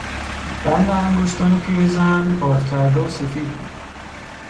بند انگشتان پیرزن بادکرده و سفید بود.